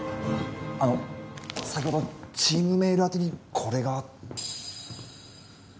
あの先ほどチームメール宛てにこれが。